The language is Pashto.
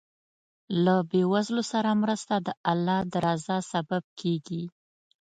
له بېوزلو سره مرسته د الله د رضا سبب کېږي.